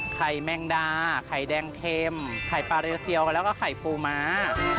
แมงดาไข่แดงเข็มไข่ปลาเรียเซียวแล้วก็ไข่ปูม้า